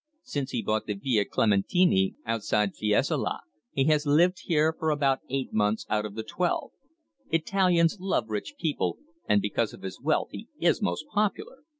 "Since he bought the Villa Clementini outside Fiesole he has lived here for about eight months out of the twelve. Italians love rich people, and because of his wealth he is most popular.